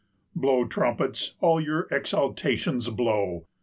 Blow, trumpets, all your exultations blow!